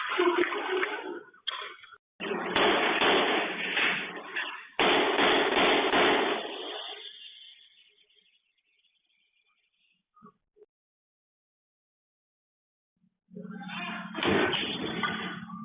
เต็ม